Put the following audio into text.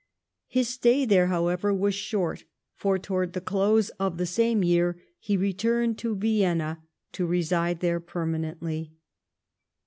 His stay there, however, was short, for, towards the close of the same year, he returned to Vienna, to reside there permanently.